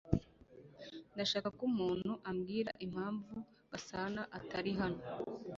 Ndashaka ko umuntu ambwira impamvu Gasana atari hano